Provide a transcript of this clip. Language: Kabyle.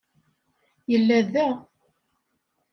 Yella da.